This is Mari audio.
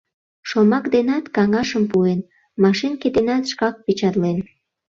Шомак денат каҥашым пуэн, машинке денат шкак печатлен.